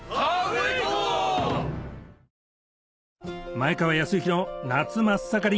前川泰之の夏真っ盛り！